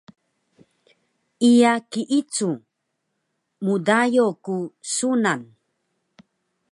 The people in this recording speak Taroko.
Iya kiicu! Mdayo ku sunan